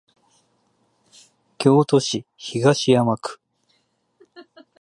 京都市東山区